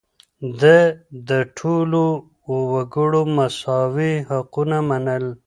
ده د ټولو وګړو مساوي حقونه منل.